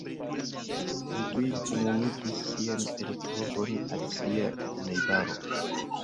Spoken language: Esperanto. Li tuj komunikis sian eltrovon al sia najbaro.